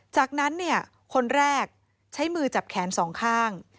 จากนั้นคนแรกใช้มือจับแขน๒ข้าง